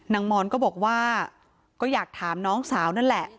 มอนก็บอกว่าก็อยากถามน้องสาวนั่นแหละ